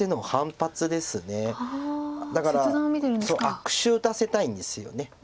悪手を打たせたいんですよね。